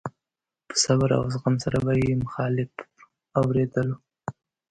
په صبر او زغم سره به يې مخالف اورېدلو.